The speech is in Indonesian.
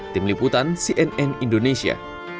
tim liputan cnn indonesia